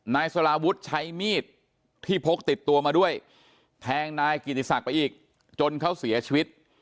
นายสลาวุฒิใช้มีดที่พกติดตัวมาด้วยแทงนายกิติศักดิ์ไปอีกจนเขาเสียชีวิต